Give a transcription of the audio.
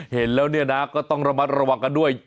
เห็นแล้วเนี่ยนะก็ต้องระมัดระวังกันด้วย